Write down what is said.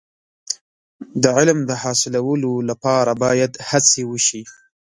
د علم د حاصلولو لپاره باید هڅې وشي.